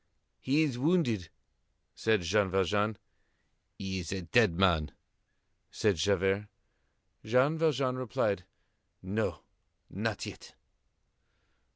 "He is wounded," said Jean Valjean. "He is a dead man," said Javert. Jean Valjean replied: "No. Not yet."